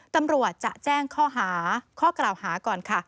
ตำรวจจะแจ้งข้อหาข้อกล่าวหาก่อนค่ะ